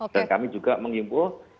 dan kami juga mengimpul